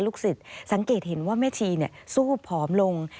สิทธิ์สังเกตเห็นว่าแม่ชีสู้ผอมลง